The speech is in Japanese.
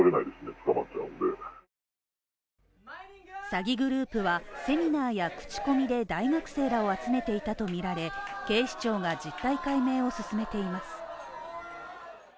詐欺グループはセミナーや口コミで大学生らを集めていたとみられ、警視庁が実態解明を進めています。